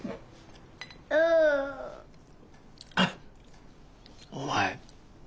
うっお前